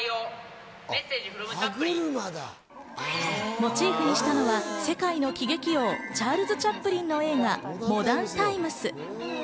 モチーフにしたのは世界の喜劇王チャールズ・チャップリンの映画『モダン・タイムス』。